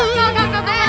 enggak enggak enggak